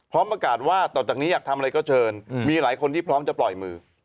ประกาศว่าต่อจากนี้อยากทำอะไรก็เชิญมีหลายคนที่พร้อมจะปล่อยมือ